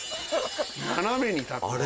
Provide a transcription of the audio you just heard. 斜めに立ってる。